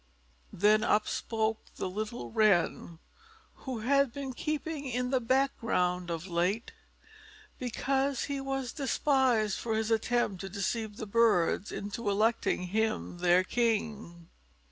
Then up spoke the little Wren, who had been keeping in the background of late, because he was despised for his attempt to deceive the birds into electing him their king.